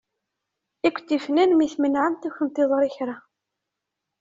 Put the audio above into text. Ay kent-ifnan mi tmenεemt ur kent-yeḍri kra.